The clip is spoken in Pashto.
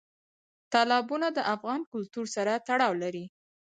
تالابونه د افغان کلتور سره تړاو لري.